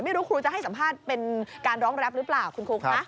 ไม่รู้ครูจะให้สัมภาษณ์เป็นการร้องแรปหรือเปล่าคุณครูคะ